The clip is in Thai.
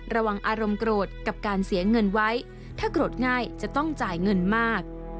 ระวังอารมณ์โกรธกับการเสียเงินไว้ถ้าโกรธง่ายจะต้องจ่ายเงินมาก